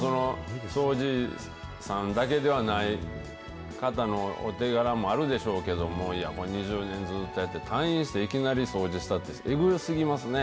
そうじいさんだけではない方のお手柄もあるでしょうけども、いやぁ、これ、２０年ずっとやって、退院していきなり掃除したって、えぐすぎますね。